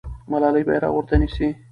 ملالۍ بیرغ ورته نیسي.